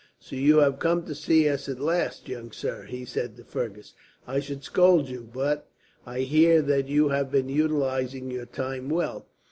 "So you have come to see us at last, young sir," he said to Fergus. "I should scold you, but I hear that you have been utilizing your time well.